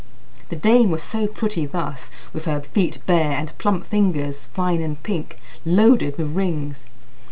The dame was so pretty thus, with her feet bare, and plump fingers, fine and pink, loaded with rings.